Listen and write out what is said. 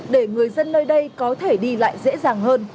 để người dân nơi đây có thể đi lại dễ dàng hơn